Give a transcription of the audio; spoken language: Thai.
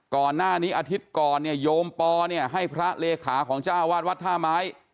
ก่อนหน้านี้อาทิตย์ก่อนเนี่ยโยมปอเนี่ยให้พระเลขาของเจ้าวาดวัดท่าไม้